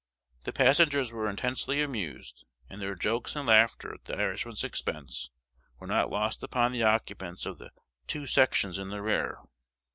The passengers were intensely amused; and their jokes and laughter at the Irishman's expense were not lost upon the occupants of the "two sections" in the rear.